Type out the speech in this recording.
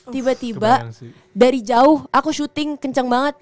tiba tiba dari jauh aku syuting kenceng banget